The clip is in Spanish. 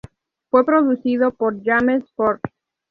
Fue producido por James Ford.